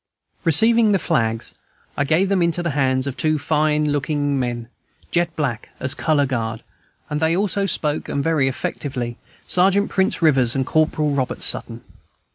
Receiving the flags, I gave them into the hands of two fine looking men, jet black, as color guard, and they also spoke, and very effectively, Sergeant Prince Rivers and Corporal Robert Sutton.